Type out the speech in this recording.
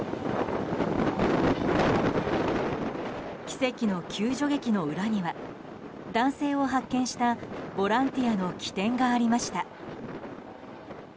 奇跡の救助劇の裏には男性を発見したボランティアの機転がありました。